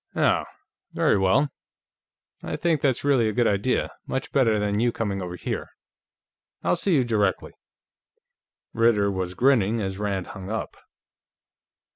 "Oh; very well. I think that's really a good idea; much better than your coming over here. I'll see you directly." Ritter was grinning as Rand hung up.